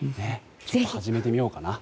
始めてみようかな。